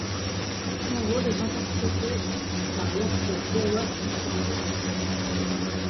Son rôle est interprété par l'acteur gallois Christian Bale.